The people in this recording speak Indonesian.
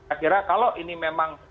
akhirnya kalau ini memang